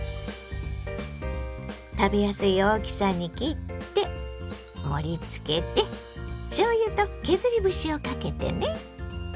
食べやすい大きさに切って盛りつけてしょうゆと削り節をかけてね。